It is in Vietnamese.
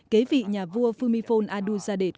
kế vị nhà vua phumifol adulzadej